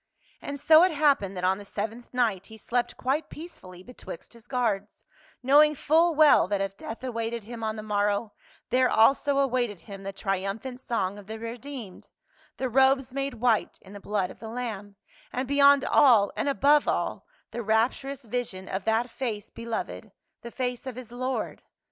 And so it happened that on the seventh night he slept quite peacefully betwixt his guards, knowing full well that if death awaited him on the morrow, there also awaited him the triumphant song of the redeemed, the robes made white in the blood of the Lamb, and be yond all and above all the rapturous vision ofthat face beloved, the face of his Lord.